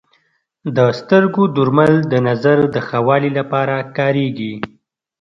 د سترګو درمل د نظر د ښه والي لپاره کارېږي.